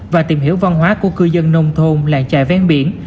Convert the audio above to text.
và tìm hiểu văn hóa của cư dân nông thôn làng trài ven biển